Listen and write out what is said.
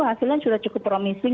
hasilnya sudah cukup promising